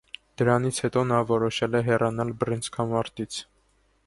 Դրանից հետո նա որոշել է հեռանալ բռնցքամարտից։